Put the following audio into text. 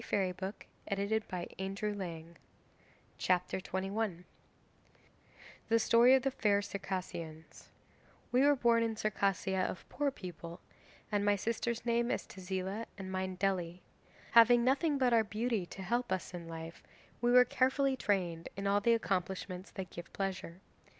Having obtained permission of her sister, she began: The Story of the Fair Circassians 'We were born in Circassia of poor people, and my sister's name is Tezila and mine Dely. Having nothing but our beauty to help us in life, we were carefully trained in all the accomplishments that give pleasure.